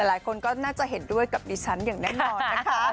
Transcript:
หลายคนก็น่าจะเห็นด้วยกับดิฉันอย่างแน่นอนนะคะ